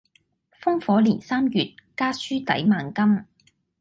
烽火連三月，家書抵萬金。